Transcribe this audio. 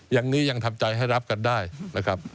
อย่างนี้ยังทำใจให้รับกันได้นะครับ